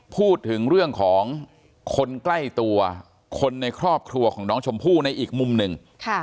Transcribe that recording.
พูดถึงเรื่องของคนใกล้ตัวคนในครอบครัวของน้องชมพู่ในอีกมุมหนึ่ง